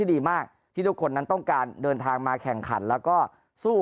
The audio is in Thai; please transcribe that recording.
ดีมากที่ทุกคนนั้นต้องการเดินทางมาแข่งขันแล้วก็สู้